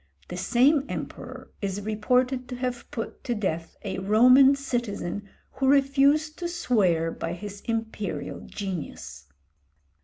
The same emperor is reported to have put to death a Roman citizen who refused to swear by his "imperial genius."